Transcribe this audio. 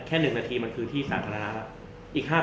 แค่๑นาทีมันคือที่สาธารณาแล้ว